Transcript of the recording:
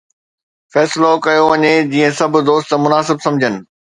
فيصلو ڪيو وڃي جيئن سڀ دوست مناسب سمجهن.